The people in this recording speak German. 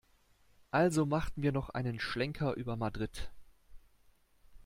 Also machten wir noch einen Schlenker über Madrid.